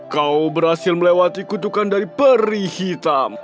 kau berhasil melewati kutukan dari peri hitam